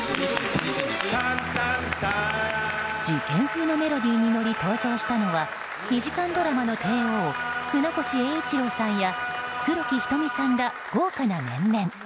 事件風のメロディーに乗り登場したのは２時間ドラマの帝王船越英一郎さんや黒木瞳さんら豪華な面々。